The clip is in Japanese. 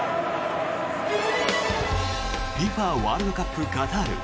ＦＩＦＡワールドカップカタール。